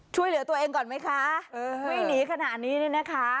ช่วยเหลือตัวเองก่อนไหมคะวิ่งหนีขนาดนี้เนี่ยนะคะ